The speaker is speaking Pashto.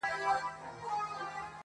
خو نتيجه نه راځي هېڅکله-